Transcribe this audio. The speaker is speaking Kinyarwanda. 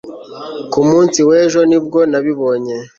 Ku munsi wejo ni bwo nabibonye